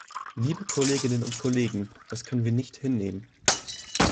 Liebe Kolleginnen und Kollegen, das können wir nicht hinnehmen.